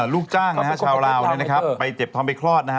ลูกจ้างชาวลาวไปเจ็บท้องใบคลอด